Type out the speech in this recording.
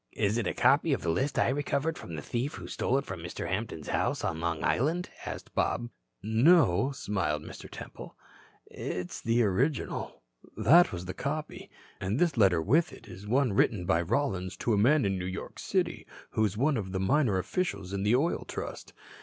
"Is it a copy of the list I recovered from the thief who stole it from Mr. Hampton's house on Long Island?" asked Bob. "No," smiled Mr. Temple. "It is the original. That was the copy. And this letter with it is one written by Rollins to a man in New York City who is one of the minor officials of the Oil Trust.